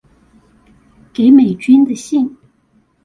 給美君的信